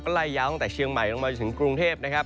ไล่ยาวตั้งแต่เชียงใหม่ลงมาจนถึงกรุงเทพนะครับ